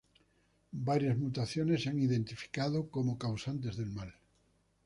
Varias mutaciones se han identificado como causantes del mal.